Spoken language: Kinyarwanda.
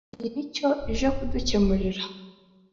iyi ni cyo ije kudukemurira